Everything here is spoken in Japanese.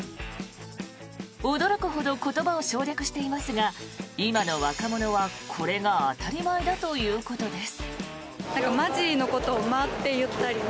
驚くほど言葉を省略していますが今の若者はこれが当たり前だということです。